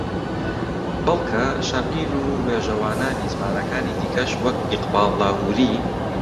بەڵکە شاعیر و وێژەوانانی زمانەکانی دیکەش وەک ئیقباڵ لاھووری